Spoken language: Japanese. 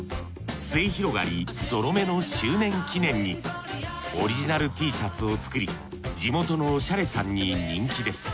末広がりゾロ目の周年記念にオリジナルＴシャツを作り地元のおしゃれさんに人気です。